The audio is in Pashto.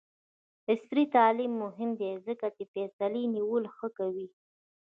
عصري تعلیم مهم دی ځکه چې د فیصلې نیولو ښه کوي.